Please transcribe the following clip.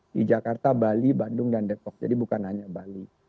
di jakarta bali bandung dan depok jadi bukan hanya bali